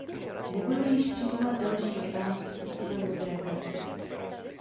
Nebudu již přijímat další otázky postupem modré karty.